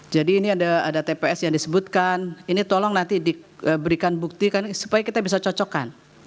jadi ini ada tps yang disebutkan ini tolong nanti diberikan bukti supaya kita bisa cocokkan